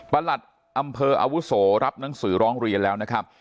หลัดอำเภออาวุโสรับหนังสือร้องเรียนแล้วนะครับ